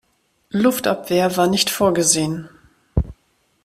Luftabwehr war nicht vorgesehen.